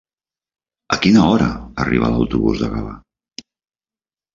A quina hora arriba l'autobús de Gavà?